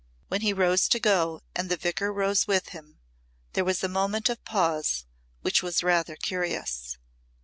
When he rose to go and the Vicar rose with him, there was a moment of pause which was rather curious.